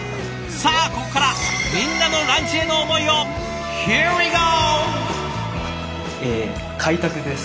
さあここからみんなのランチへの思いをＨｅｒｅｗｅｇｏ！